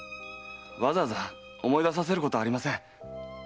わざわざ思い出させることありません。